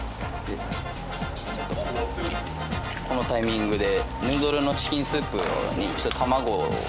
このタイミングで。